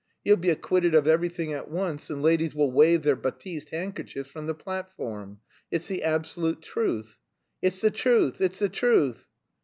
He'll be acquitted of everything at once, and ladies will wave their batiste handkerchiefs from the platform. It's the absolute truth!" "It's the truth. It's the truth!"